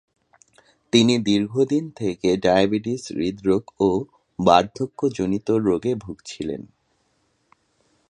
তিনি দীর্ঘদিন থেকে ডায়াবেটিস, হৃদরোগ ও বার্ধক্যজনিত রোগে ভুগছিলেন।